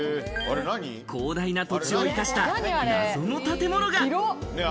広大な土地を生かした謎の建物が。